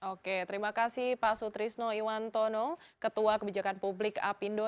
oke terima kasih pak sutrisno iwantono ketua kebijakan publik apindo